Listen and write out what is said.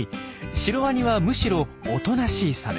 シロワニはむしろおとなしいサメ。